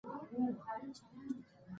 جسدونه چې ښخ سول، د افغانانو وو.